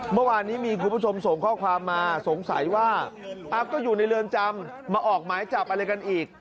เมื่อวานนี้มีคุณผู้ชมส่งข้อความมาสงสัยว่าอัพก็อยู่ในเรือนจำมาออกหมายจับอะไรกันอีก